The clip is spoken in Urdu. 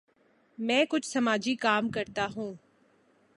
میں کچھ سماجی کام کرتا ہوں۔